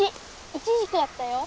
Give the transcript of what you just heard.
いちじくあったよ。